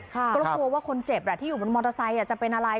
ก็กลัวว่าคนเจ็บที่อยู่บนมอเตอร์ไซค์จะเป็นอะไร